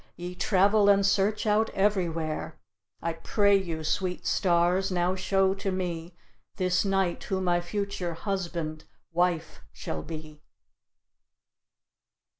Ye travel and search out everywhere; I pray you, sweet stars, now show to me This night who my future husband (wife) shall be."